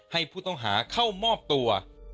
ให้ผู้ต้องหาเข้ามอบตัว